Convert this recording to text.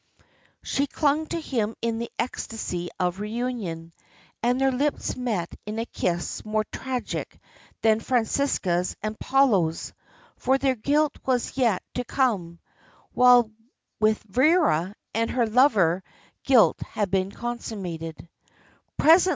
'" She clung to him in the ecstasy of reunion, and their lips met in a kiss more tragic than Francesca's and Paolo's, for their guilt was yet to come; while with Vera and her lover guilt had been consummated.